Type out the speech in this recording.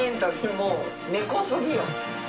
もう根こそぎよ。